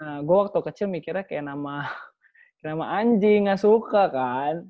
nah gue waktu kecil mikirnya kayak nama kayak nama anjing nggak suka kan